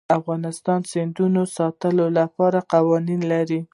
افغانستان د سیندونه د ساتنې لپاره قوانین لري.